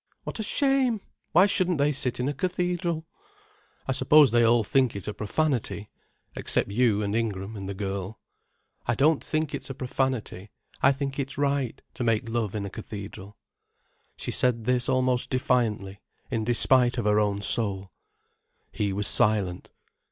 "What a shame! Why shouldn't they sit in a cathedral?" "I suppose they all think it a profanity—except you and Ingram and the girl." "I don't think it a profanity—I think it's right, to make love in a cathedral." She said this almost defiantly, in despite of her own soul. He was silent.